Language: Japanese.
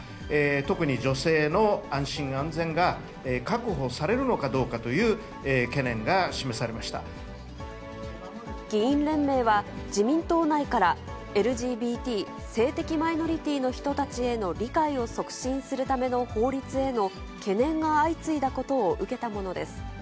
特に女性の安心安全が確保されるのかどうかという懸念が示されま議員連盟は、自民党内から、ＬＧＢＴ・性的マイノリティーの人たちへの理解を促進するための法律への懸念が相次いだことを受けたものです。